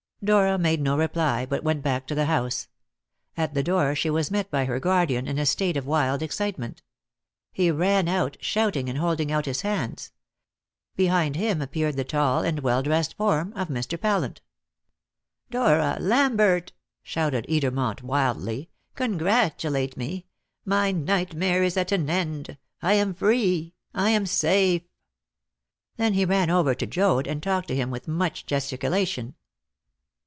Dora made no reply, but went back to the house. At the door she was met by her guardian in a state of wild excitement. He ran out, shouting and holding out his hands. Behind him appeared the tall and well dressed form of Mr. Pallant. "Dora! Lambert!" shouted Edermont wildly. "Congratulate me! My nightmare is at an end! I am free! I am safe!" Then he ran over to Joad, and talked to him with much gesticulation.